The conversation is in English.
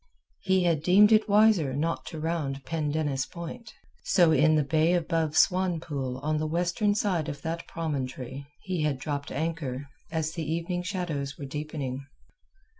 He had deemed it wiser not to round Pendennis Point. So in the bay above Swanpool on the western side of that promontory he had dropped anchor as the evening shadows were deepening.